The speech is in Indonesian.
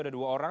ada dua orang